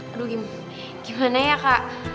aduh gimana ya kak